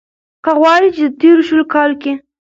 که غواړۍ ،چې د تېرو شلو کالو کې